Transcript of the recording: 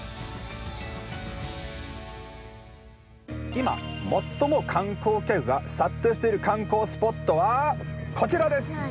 今最も観光客が殺到している観光スポットはこちらです！